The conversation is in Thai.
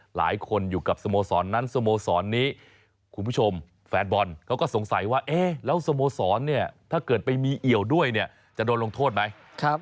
หลายคนอยู่กับสโมสรนั้นสโมสรนี้คุณผู้ชมแฟนบอลเขาก็สงสัยว่าเอ๊ะแล้วสโมสรเนี่ยถ้าเกิดไปมีเอี่ยวด้วยเนี่ยจะโดนลงโทษไหม